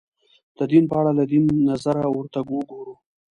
د دین په اړه له دین نظره ورته وګورو